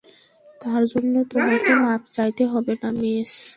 তার জন্য তোমাকে মাফ চাইতে হবে না, মেস।